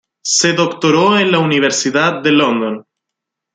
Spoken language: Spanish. Se doctoró en la Universidad de London.